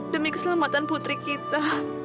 demi keselamatan putri kita